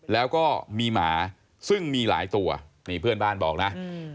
แล้วก็มีหมาซึ่งมีหลายตัวนี่เพื่อนบ้านบอกนะ